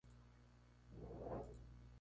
Jugó como colegial en St.